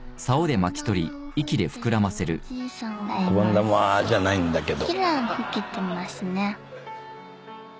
シャボン玉じゃないんだけど。